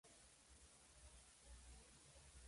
Actualmente se trabaja en la composición de temas propios.